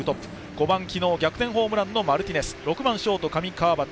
５番、昨日逆転ホームランのマルティネス。